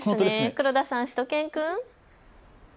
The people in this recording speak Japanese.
黒田さん、しゅと犬くん。